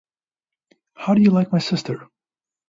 How Do You Like My Sister?